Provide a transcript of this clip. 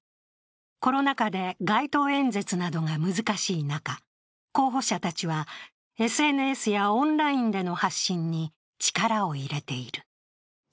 コロナ禍で街頭演説などが難しい中、候補者たちはＳＮＳやオンラインでの発信に力を入れている。